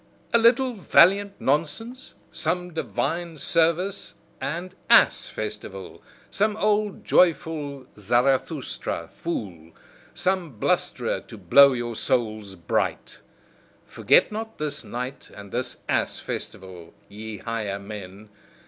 A little valiant nonsense, some divine service and ass festival, some old joyful Zarathustra fool, some blusterer to blow your souls bright. Forget not this night and this ass festival, ye higher men!